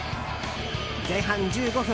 前半１５分。